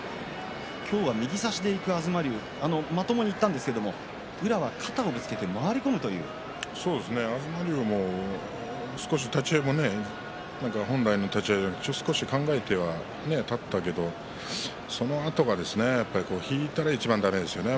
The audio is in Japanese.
今日は右差しでいくあまり、まともにいったんですけれど東龍も少し立ち合いも本来の立ち合いではなく考えては立ったけれどそのあとが、やっぱり引いたらだめですよね。